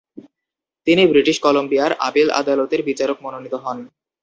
তিনি ব্রিটিশ কলাম্বিয়ার আপিল আদালতের বিচারক মনোনীত হন।